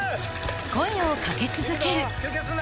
声をかけ続けるいくぞ！